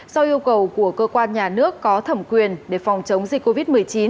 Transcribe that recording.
sau yêu cầu của cơ quan nhà nước có thẩm quyền để phòng chống dịch covid một mươi chín